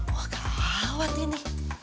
wah gawat ini